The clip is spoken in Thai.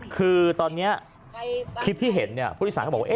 คือตอนนี้คลิปที่เห็นผู้โดยสารเขาบอกว่า